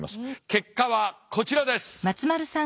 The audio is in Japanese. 結果はこちらです。